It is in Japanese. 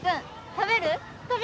食べる？